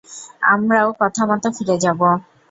আমরাও কথামত ফিরে যাব!